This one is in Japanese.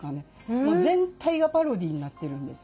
全体がパロディーになってるんです。